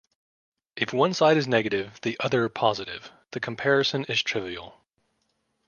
If one side is negative, the other positive, the comparison is trivial.